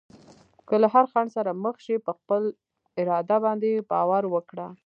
که له هر خنډ سره مخ شې، په خپل اراده باندې باور وکړه.